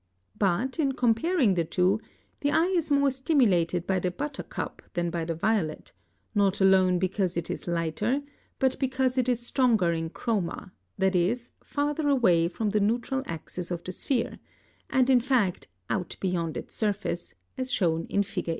But, in comparing the two, the eye is more stimulated by the buttercup than by the violet, not alone because it is lighter, but because it is stronger in chroma; that is, farther away from the neutral axis of the sphere, and in fact out beyond its surface, as shown in Fig.